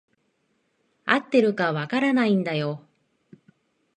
合ってるか分からないんだよ。